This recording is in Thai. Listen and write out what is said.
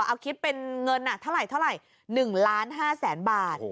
เอาคิดเป็นเงินเท่าไหร่๑ล้าน๕แสนบาท